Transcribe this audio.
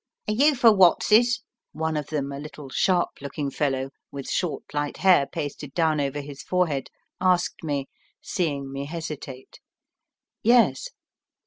"Are you for Watts's?" one of them, a little, sharp looking fellow, with short light hair pasted down over his forehead, asked me, seeing me hesitate. "Yes."